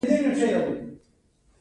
هغه د ورځې سلګونه افغانۍ په خپل سپي لګوي